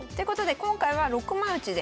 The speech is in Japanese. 今回は六枚落ちで。